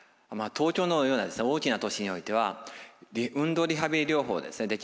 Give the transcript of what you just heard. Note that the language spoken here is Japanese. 東京のような大きな都市においては運動リハビリ療法をできる施設があるんですね。